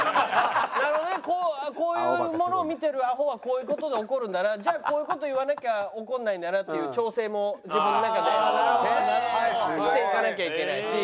なるほどねこういうものを見てるアホはこういう事で怒るんだなじゃあこういう事言わなきゃ怒らないんだなっていう調整も自分の中でしていかなきゃいけないし。